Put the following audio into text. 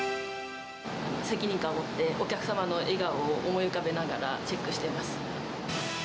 責任感を持って、お客様の笑顔を思い浮かべながらチェックしてます。